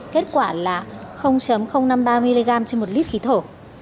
kết quả là năm mươi ba mg trên một lít khí thổ